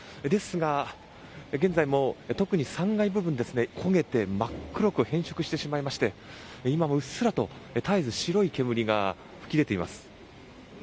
ですが、現在も特に３階部分ですね焦げて真っ黒く変色してしまいまして今もうっすらと絶えず白い煙が噴き出ています。